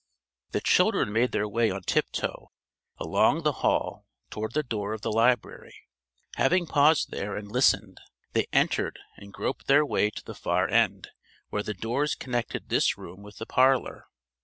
The children made their way on tiptoe along the hall toward the door of the library. Having paused there and listened, they entered and groped their way to the far end where the doors connected this room with the parlor.